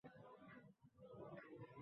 Hamma qiziqarli narsalar muhim bo‘lavermaydi.